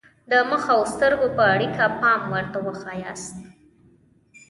د مخ او سترګو په اړیکه پام ورته وښایاست.